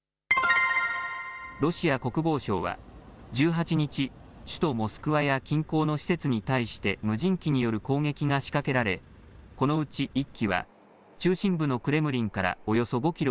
ロシア国防省は１８日、首都モスクワや近郊の施設に対して無人機による攻撃が仕掛けられこのうち１機は中心部のクレムリンからおよそ５キロ